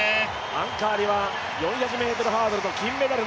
アンカーには４００ｍハードル金メダル